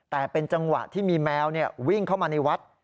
แต่เป็นจังหวะที่มีแมววิ่งเข้ามาในวัด